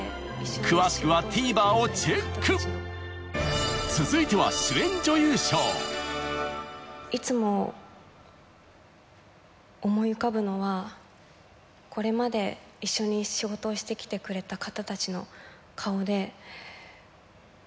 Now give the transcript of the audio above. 詳しくはＴＶｅｒをチェック続いては主演女優賞いつも思い浮かぶのはこれまで一緒に仕事をしてきてくれた方たちの顔で。